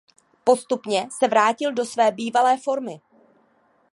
Postupně se vrátil do své bývalé formy.